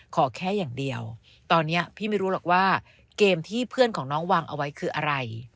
ขอแค่อย่างเดียวตอนนี้พี่ไม่รู้หรอกว่าเกมที่เพื่อนของน้องวางเอาไว้คืออะไร